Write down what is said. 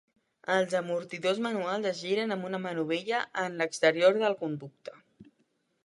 Els amortidors manuals es giren amb una manovella en l'exterior del conducte.